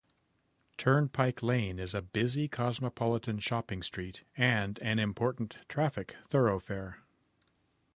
Turnpike Lane is a busy cosmopolitan shopping street and an important traffic thoroughfare.